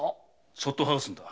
そっと剥がすのだ。